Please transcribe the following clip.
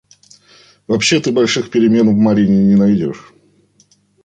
Вообще ты больших перемен в Марьине не найдешь.